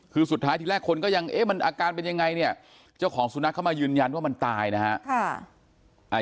คือสุดท้ายทีแรกคนก็ยังเอ๊ะมันอาการเป็นยังไงเนี่ยเจ้าของสุนัขเข้ามายืนยันว่ามันตายนะฮะ